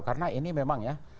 karena ini memang ya